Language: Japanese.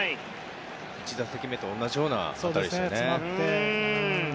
１打席目と同じ当たりでしたね。